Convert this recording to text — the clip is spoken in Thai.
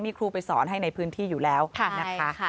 มีครูไปสอนให้ในพื้นที่อยู่แล้วนะคะ